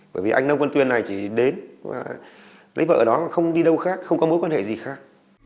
bởi vì anh nông quân tuyên này chỉ đến và lấy vợ đó mà không đi đâu khác không có mối quan hệ gì khác